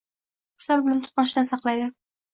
Qushlar bilan to'qnashishdan saqlaydi